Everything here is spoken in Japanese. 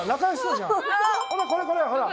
ほらこれこれほら。